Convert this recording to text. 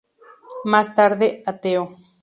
Más tarde ateo.